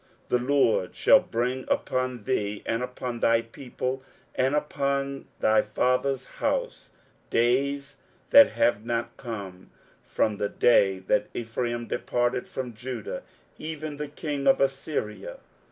23:007:017 The LORD shall bring upon thee, and upon thy people, and upon thy father's house, days that have not come, from the day that Ephraim departed from Judah; even the king of Assyria.